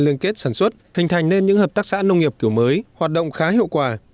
liên kết sản xuất hình thành nên những hợp tác xã nông nghiệp kiểu mới hoạt động khá hiệu quả